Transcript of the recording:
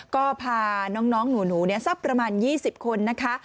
ก็พาน้องหนูสักประมาณ๒๐คนนะคะ